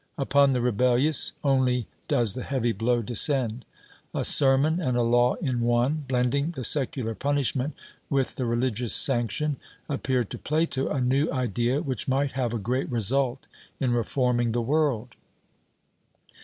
Upon the rebellious only does the heavy blow descend. A sermon and a law in one, blending the secular punishment with the religious sanction, appeared to Plato a new idea which might have a great result in reforming the world.